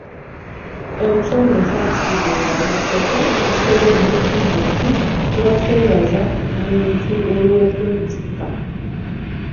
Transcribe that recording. Ekyo nno ssaakitegeererawo kyokka nkitegedde jjuuzi nti kuba kwebaza muntu olw'okwetikka.